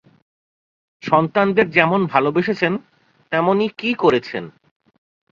সন্তানদের যেমন ভালোবেসেছেন, তেমনি কি করেছেন?